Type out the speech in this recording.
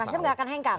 nasdem gak akan hengkang